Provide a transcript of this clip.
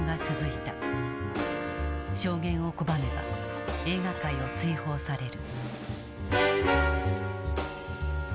証言を拒めば映画界を追放される。